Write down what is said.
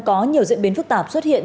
có nhiều diễn biến phức tạp xuất hiện